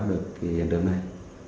được cái hiện trường này